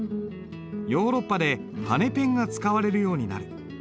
ヨーロッパで羽ペンが使われるようになる。